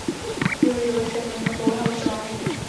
Jeho život však neměl dlouhého trvání.